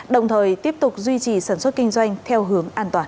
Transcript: đồng thời tiếp tục duy trì sản xuất kinh doanh theo hướng an toàn